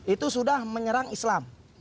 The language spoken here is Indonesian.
itu sudah menyerang islam